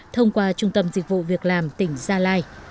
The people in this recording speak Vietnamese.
thông qua trung tâm dịch vụ việc làm tỉnh gia lai